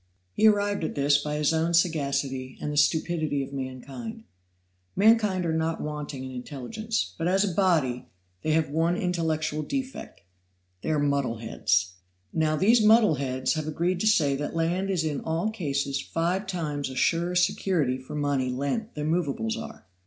He arrived at this by his own sagacity and the stupidity of mankind. Mankind are not wanting in intelligence; but, as a body, they have one intellectual defect they are muddle heads. Now these muddle heads have agreed to say that land is in all cases five times a surer security for money lent than movables are.